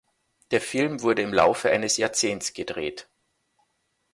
Der Film wurde im Laufe eines Jahrzehnts gedreht.